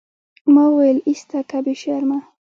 ما وويل ايسته که بې شرمه.